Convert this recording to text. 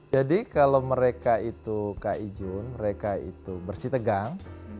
jadi kalau mereka itu kak ijun mereka itu bersih tegang